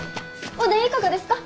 おでんいかがですか？